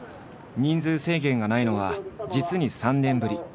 人数制限がないのは実に３年ぶり。